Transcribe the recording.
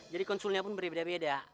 jadi konsulnya pun beda beda